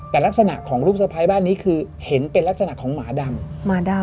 แต่ลักษณะของลูกสะพ้ายบ้านนี้คือเห็นเป็นลักษณะของหมาดำหมาดำ